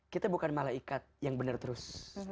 kita bukan malaikat yang benar terus